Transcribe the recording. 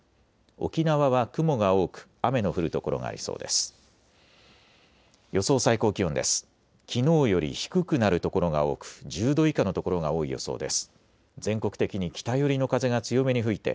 沖縄は雲が多く雨の降る所がありそうです。